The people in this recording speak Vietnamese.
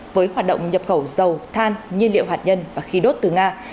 với hoạt động nhập khẩu dầu than nhiên liệu hạt nhân và khí đốt từ nga